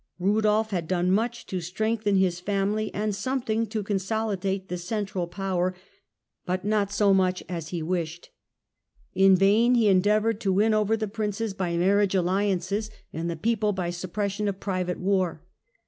Eudolf had done much to strengthen his family and something to consoHdate the central power, but not so 12 THE END OF THE MIDDLE AGE much as he wished. In vain he endeavoured to win over the Princes by marriage alliances and the people by suppression of private war.